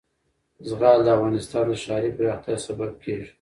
زغال د افغانستان د ښاري پراختیا سبب کېږي.